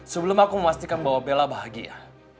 sebelum aku memastikan bahwa bella bahagia